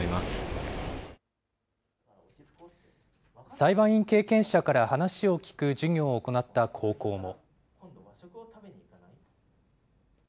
裁判員経験者から話を聞く授業を行った高校も。